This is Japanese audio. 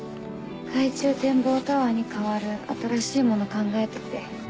海中展望タワーに代わる新しいもの考えてて。